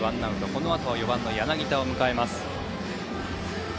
このあとは４番の柳田を迎えます。